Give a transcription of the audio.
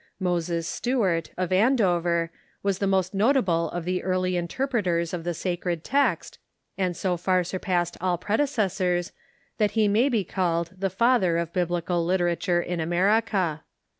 Moses Stuart, of Andover, was the most notable of the early inter ^^heoioqy' P^®^*^"'^ ^^^^^ sacred text, and so far surpassed ail predecessors that he may be called the father of Bib lical literature in America.